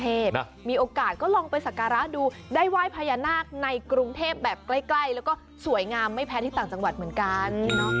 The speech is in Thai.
เป็นทางออกนอกกรุงเทพมีโอกาสก็ลองไปสักการะดูได้วายพญานาคในกรุงเทพแบบใกล้แล้วก็สวยงามไม่แพ้ที่ต่างจังหวัดเหมือนกัน